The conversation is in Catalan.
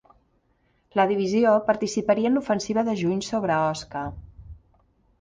La divisió participaria en l'ofensiva de juny sobre Osca.